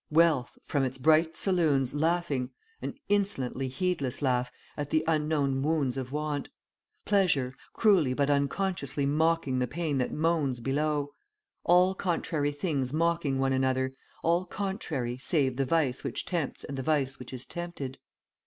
Wealth, from its bright saloons, laughing an insolently heedless laugh at the unknown wounds of want! Pleasure, cruelly but unconsciously mocking the pain that moans below! All contrary things mocking one another all contrary, save the vice which tempts and the vice which is tempted!